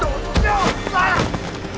おっさん！